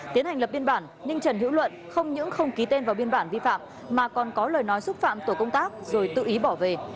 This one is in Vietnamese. tiến hành lập biên bản nhưng trần hữu luận không những không ký tên vào biên bản vi phạm mà còn có lời nói xúc phạm tổ công tác rồi tự ý bỏ về